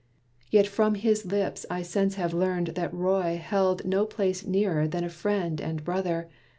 Yet from his lips I since have learned that Roy Held no place nearer than a friend and brother.